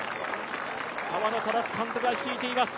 河野匡監督が率いています